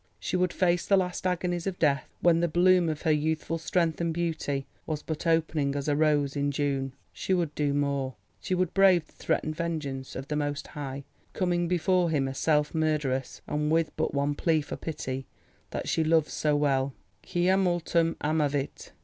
She would face the last agonies of death when the bloom of her youthful strength and beauty was but opening as a rose in June. She would do more, she would brave the threatened vengeance of the most High, coming before Him a self murderess, and with but one plea for pity—that she loved so well: quia multum amavit.